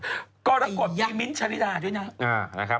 ไอ้ยักฏกรกฏมีมิ้นชริราชด้วยนะอ่าวนะครับ